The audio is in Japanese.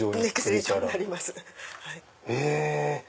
へぇ。